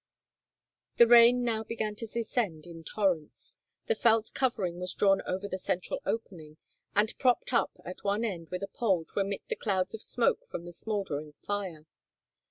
The rain now began to descend in torrents. The felt covering was drawn over the central opening, and propped up at one end with a pole to emit the clouds of smoke from the smoldering fire.